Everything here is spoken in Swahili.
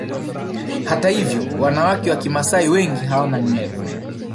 Hata hivyo wanawake wa Kimasai wengi hawana nywele